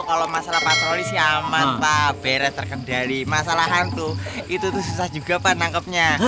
kalau masalah patroli sih amat pak beres terkendali masalah hantu itu susah juga pak nangkepnya